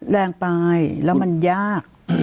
แรงไปแล้วมันยาก